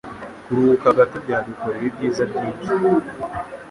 Kuruhuka gato byadukorera ibyiza byinshi.